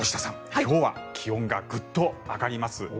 今日は気温がグッと上がります。